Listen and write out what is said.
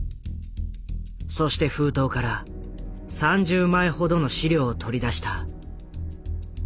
そして封筒から３０枚ほどの資料を取り出した。